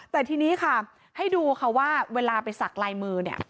แต่ทีนี้ค่ะให้ดูค่ะว่าเวลาไปสักลายมือเนี่ย